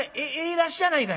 だっしゃないかい。